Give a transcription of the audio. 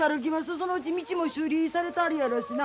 そのうち道も修理されたあるやろうしな。